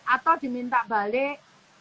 atau diminta balik